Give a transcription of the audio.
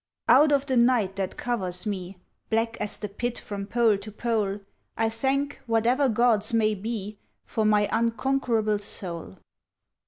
Out of the night that covers me, Black as the pit from pole to pole, I thank whatever gods may be For my unconquerable soul.